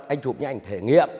anh chụp những ảnh thể nghiệm